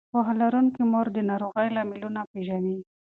پوهه لرونکې مور د ناروغۍ لاملونه پېژني.